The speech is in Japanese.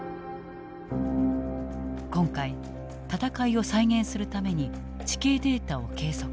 今回戦いを再現するために地形データを計測。